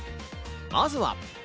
まずは。